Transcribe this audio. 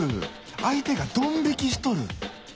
相手がドン引きしとる！